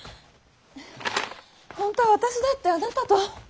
ほんとは私だってあなたと。